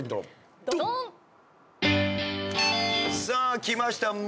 さあ来ました